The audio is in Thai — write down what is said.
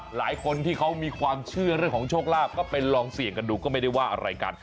หลายคนที่เขามีความเชื่อเรื่องของโชคลาภก็ไปลองเสี่ยงกันดูก็ไม่ได้ว่าอะไรกัน